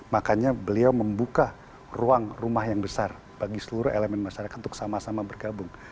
makanya beliau membuka ruang rumah yang besar bagi seluruh elemen masyarakat untuk sama sama bergabung